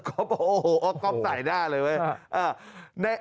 โอ้โหเอากล้องไตหน้าเลยเว้ย